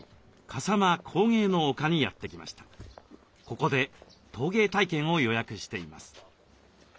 ここで陶芸体験を予約しています。